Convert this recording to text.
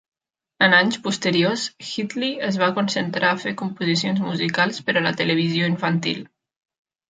En anys posteriors, Heatlie es va concentrar a fer composicions musicals per a la televisió infantil.